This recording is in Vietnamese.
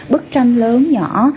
bức tranh lớn nhỏ